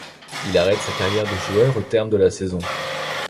Il arrête sa carrière de joueur au terme de la saison.